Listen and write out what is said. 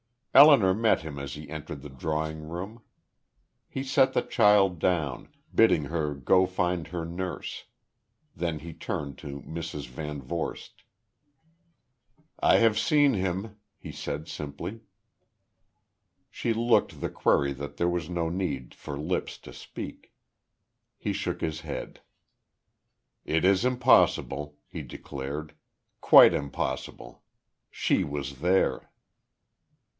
Elinor met him as he entered the drawing room. He set the child down, bidding her go find her nurse; then he turned to Mrs. VanVorst. "I have seen him," he said, simply. She looked the query that there was no need for lips to speak. He shook his head. "It is impossible," he declared. "Quite impossible. She was there."